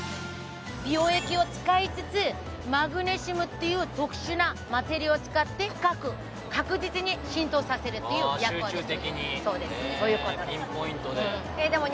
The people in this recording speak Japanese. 美容液を使いつつマグネシウムっていう特殊なマテリを使って深く確実に浸透させるという集中的にピンポイントでそうです